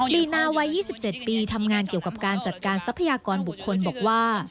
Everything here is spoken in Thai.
ดีนาวัย๒๗ปีทำงานเกี่ยวกับการจัดการทรัพยากรบุคคลบอกว่า